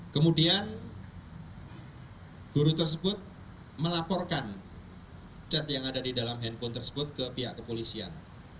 kemudian guru tersebut melaporkan chat yang ada di dalam handphone tersebut ke pihak kepolisian